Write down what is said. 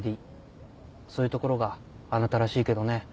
そういうところがあなたらしいけどね。